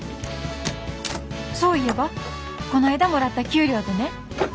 そういえばこないだもらった給料でね」。